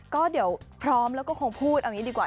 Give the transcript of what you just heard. ก็เดี๋ยวพร้อมแล้วก็คงพูดเอางี้ดีกว่า